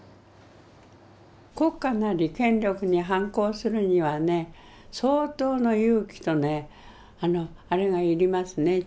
国家なり権力に反抗するにはね相当の勇気とねあれが要りますね知恵が。